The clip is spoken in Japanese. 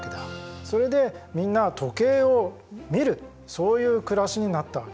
それでみんな時計を見るそういう暮らしになったわけ。